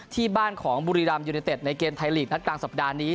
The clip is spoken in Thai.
ที่บ้านของบุรีรัมยูเนเต็ดในเกมไทยลีกนัดกลางสัปดาห์นี้